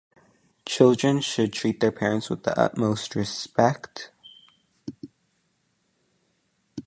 Children should treat their parents with the utmost respect.